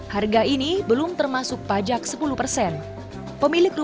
harga ini belum termasuk pajak